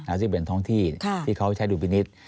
อาจจะเป็นท้องที่ที่เขาใช้ดูบินิตร